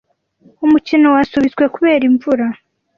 Umukino wasubitswe kubera imvura.